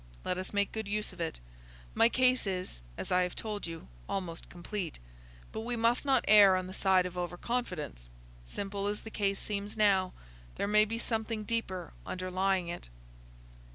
Let us make good use of it. My case is, as I have told you, almost complete; but we must not err on the side of over confidence. Simple as the case seems now, there may be something deeper underlying it."